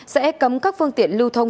sẽ cấm các phương tiện lưu thông